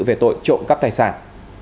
về tội trộm cắp tài sản